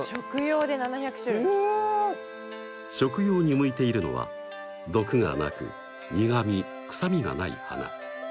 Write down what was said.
食用に向いているのは毒がなく苦み臭みがない花。